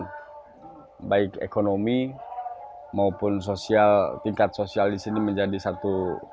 dan baik ekonomi maupun tingkat sosial disini menjadi satu